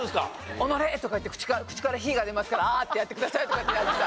「おのれ！」とか言って口から火が出ますから「あー」ってやってくださいとかってやってた。